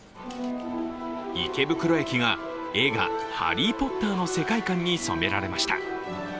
池袋駅が映画「ハリー・ポッター」の世界観に染められました。